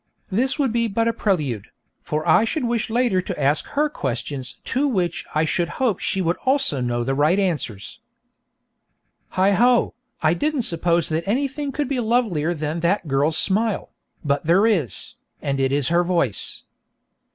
This would be but a prelude, for I should wish later to ask her questions to which I should hope she would also know the right answers. Heigho! I didn't suppose that anything could be lovelier than that girl's smile, but there is, and it is her voice.